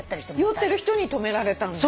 酔ってる人に止められたんだ。